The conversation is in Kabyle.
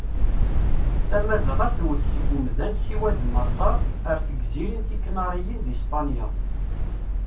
Tamazɣa tewwet seg umda n Siwa d Maseṛ ar d tigzirin tikaniriyin di Spanya.